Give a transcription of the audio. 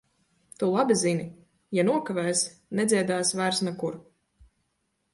Tu labi zini - ja nokavēsi, nedziedāsi vairs nekur.